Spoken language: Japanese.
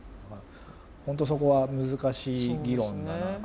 本当そこは難しい議論だなと。